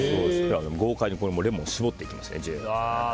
豪快にレモンを搾っていきます。